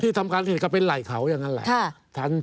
ทำการอื่นก็เป็นไหล่เขาอย่างนั้นแหละ